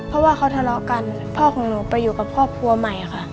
เพราะว่าเขาทะเลาะกันพ่อของหนูไปอยู่กับครอบครัวใหม่ค่ะ